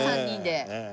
３人で。